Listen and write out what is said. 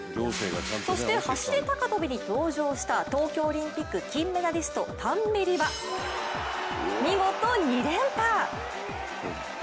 そして走り高跳びに登場した東京オリンピック金メダリストタンベリは見事、２連覇。